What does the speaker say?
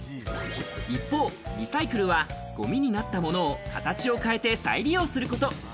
一方、リサイクルはゴミになったものを形を変えて再利用すること。